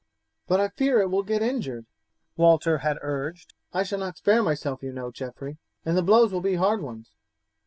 "But I fear it will get injured," Walter had urged. "I shall not spare myself, you know, Geoffrey, and the blows will be hard ones.